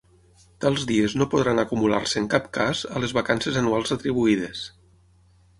Tals dies no podran acumular-se en cap cas a les vacances anuals retribuïdes.